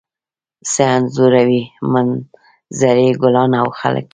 څه انځوروئ؟ منظرې، ګلان او خلک